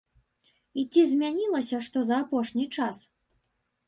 І ці змянілася што за апошні час?